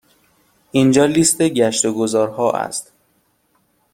اینجا لیست گشت و گذار ها است.